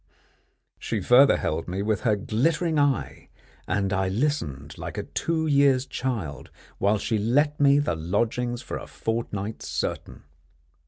She further held me with her glittering eye, and I listened like a two years' child while she let me the lodgings for a fortnight certain.